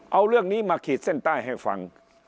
เอาเรื่องนี้มาขีดเส้นใต้ให้ฟัง